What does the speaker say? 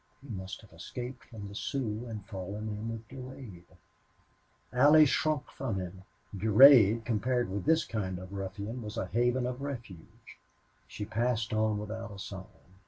He must have escaped from the Sioux and fallen in with Durade. Allie shrunk from him. Durade, compared with this kind of ruffian, was a haven of refuge. She passed on without a sign.